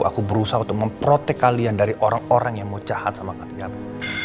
aku berusaha untuk memprotek kalian dari orang orang yang mau jahat sama kalian